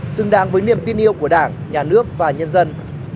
xứng đáng với niềm tin yêu của đảng nhà nước và nhân dân